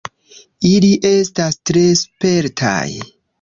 Ili estas tre spertaj.